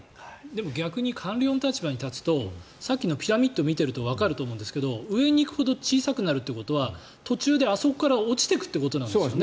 逆に官僚の立場に立つとさっきのピラミッドを見ているとわかるんですけど上に行くほど小さくなるということは途中であそこから落ちていくということなんですよね。